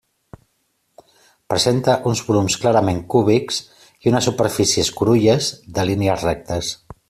Presenta uns volums clarament cúbics i unes superfícies curulles de línies rectes.